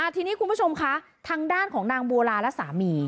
ทีนี้คุณผู้ชมคะทางด้านของนางบัวลาและสามี